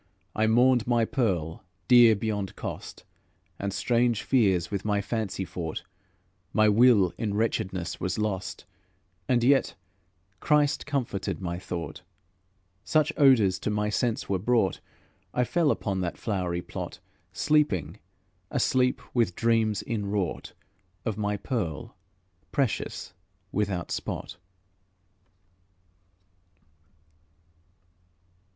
I mourned my pearl, dear beyond cost, And strange fears with my fancy fought; My will in wretchedness was lost, And yet Christ comforted my thought. Such odours to my sense were brought, I fell upon that flowery plot, Sleeping, a sleep with dreams inwrought Of my pearl, precious, without spot.